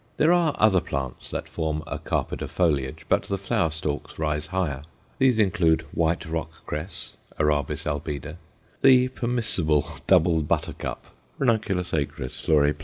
There are other plants that form a carpet of foliage, but the flower stalks rise higher. These include white rock cress (Arabis albida), the permissible double buttercup (_Ranunculus acris fl. pl.